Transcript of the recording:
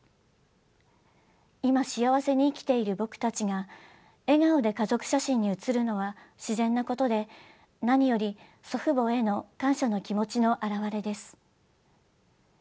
「今幸せに生きている僕たちが笑顔で家族写真に写るのは自然なことで何より祖父母への感謝の気持ちの表れです」。